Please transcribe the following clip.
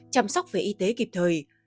chăm sóc về y tế kịp thời